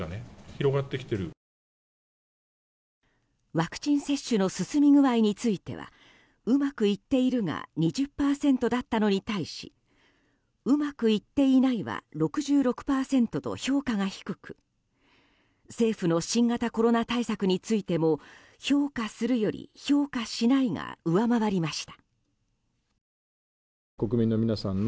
ワクチン接種の進み具合についてはうまくいっているが２０％だったのに対しうまくいっていないは６６％と評価が低く政府の新型コロナ対策についても評価するより評価しないが上回りました。